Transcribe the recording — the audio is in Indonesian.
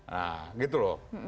nah gitu loh